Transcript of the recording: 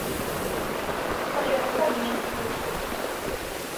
Моя рука меня не слушается!